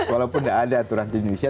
walaupun tidak ada aturan di indonesia